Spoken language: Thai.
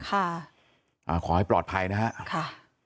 ขอให้ปลอดภัยนะฮะค่ะ